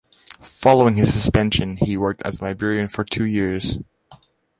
Following his suspension, he worked as a librarian for two years.